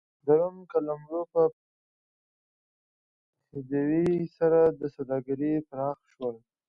د روم قلمرو په پراخېدو سره سوداګري پراخ شول